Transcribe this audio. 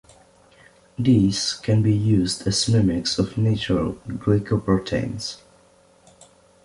These can be used as mimics of natural glycoproteins.